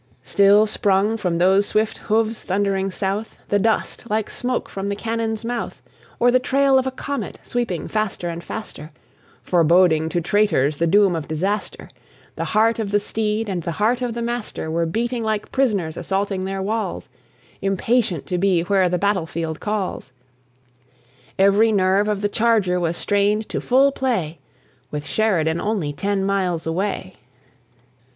Still sprung from those swift hoofs, thundering South, The dust, like smoke from the cannon's mouth; Or the trail of a comet, sweeping faster and faster, Foreboding to traitors the doom of disaster. The heart of the steed and the heart of the master Were beating like prisoners assaulting their walls, Impatient to be where the battle field calls; Every nerve of the charger was strained to full play, With Sheridan only ten miles away.